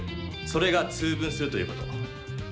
それが「通分」するということ。